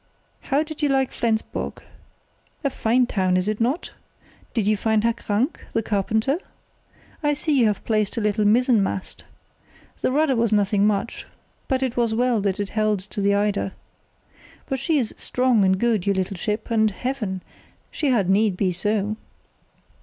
How did you like Flensburg? A fine town, is it not? Did you find Herr Krank, the carpenter? I see you have placed a little mizzen mast. The rudder was nothing much, but it was well that it held to the Eider. But she is strong and good, your little ship, and—Heaven!—she had need be so."